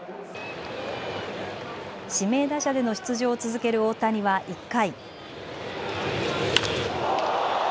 指名打者での出場を続ける大谷は１回。